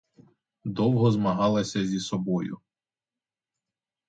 Довго змагалася зі собою.